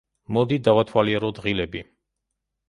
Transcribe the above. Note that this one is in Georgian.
მოდი დავთვალოთ ღილები.